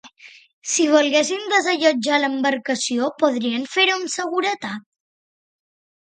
Si volguessin desallotjar l'embarcació, podrien fer-ho amb seguretat?